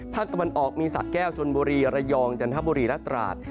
ภาคตะวันออกมีศักดิ์แก้วจนบุรีระยองจันทบุรีและตราส